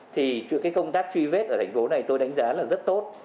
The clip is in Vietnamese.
thì công tác truy vết ở tp hcm tôi đánh giá là rất tốt